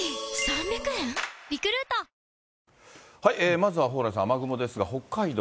まずは蓬莱さん、雨雲ですが、北海道。